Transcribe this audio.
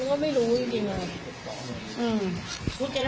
มึงอยากให้ผู้ห่างติดคุกหรอ